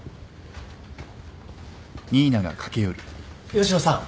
吉野さん。